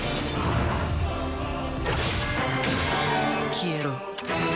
消えろ。